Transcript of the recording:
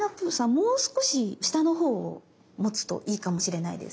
もう少し下のほうを持つといいかもしれないです。